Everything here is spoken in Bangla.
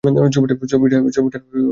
ছবিটার দিকে তাকান।